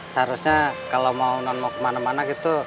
seharusnya kalau mau non mau kemana mana gitu